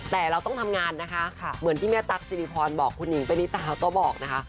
แต่เราต้องทำงานนะคะเหมือนที่แม่ตั๊กสิริพรบอกคุณหญิงปณิตาก็บอกนะคะ